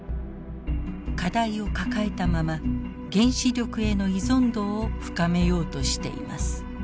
課題を抱えたまま原子力への依存度を深めようとしています。